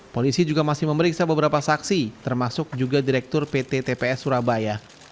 polisi juga masih memeriksa beberapa saksi termasuk juga direktur pt tps surabaya